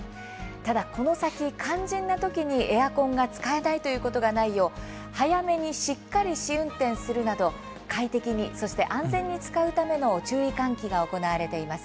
ただこの先、肝心な時にエアコンが使えないということがないよう早めにしっかり試運転するなど快適に、そして安全に使うための注意喚起が行われています。